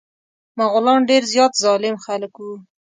مغولان ډير زيات ظالم خلک وه.